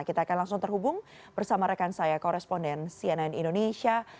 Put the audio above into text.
kita akan langsung terhubung bersama rekan saya koresponden cnn indonesia